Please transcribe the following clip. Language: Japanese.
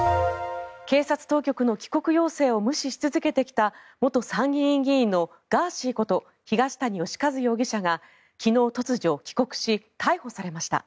警察当局の帰国要請を無視し続けてきた元参議院議員のガーシーこと東谷義和容疑者が昨日、突如、帰国し逮捕されました。